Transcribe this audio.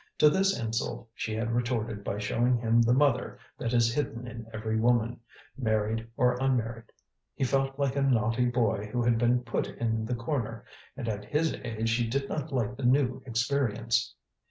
To this insult she had retorted by showing him the mother that is hidden in every woman, married or unmarried. He felt like a naughty boy who had been put in the corner, and at his age he did not like the new experience.